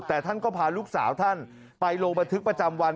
แต่ท่านก็พาลูกสาวท่านไปลงบันทึกประจำวัน